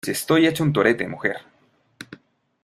si estoy hecho un torete, mujer.